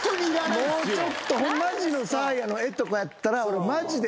もうちょっとマジのサーヤの絵とかやったら俺マジで。